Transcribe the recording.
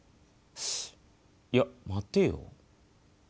いや待てよ。